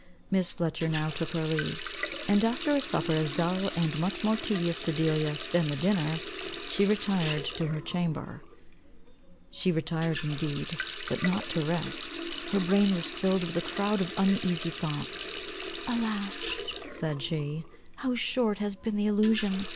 Miss Fletcher now took her leave. And after a supper as dull, and much more tedious to Delia, than the dinner, she retired to her chamber. She retired indeed, but not to rest. Her brain was filled with a croud of uneasy thoughts. "Alas," said she, "how short has been the illusion!